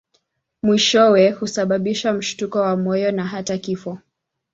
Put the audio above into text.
Mwishowe husababisha mshtuko wa moyo na hata kifo.